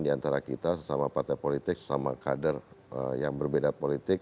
di antara kita sesama partai politik sesama kader yang berbeda politik